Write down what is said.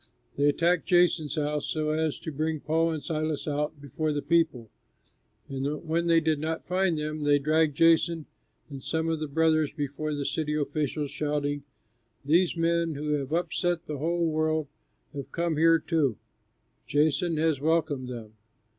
They attacked Jason's house, so as to bring Paul and Silas out before the people, and when they did not find them, they dragged Jason and some of the brothers before the city officials, shouting, "These men who have upset the whole world have come here too! Jason has welcomed them.